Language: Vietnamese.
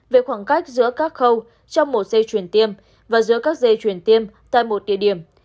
về khoảng cách giữa các khâu trong một dây chuyển tiêm và giữa các dây chuyển tiêm tại một địa điểm